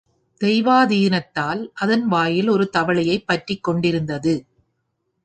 தெய்வாதீனத்தால் அதன் வாயில் ஒரு தவளையைப் பற்றிக்கொண்டிருந்தது.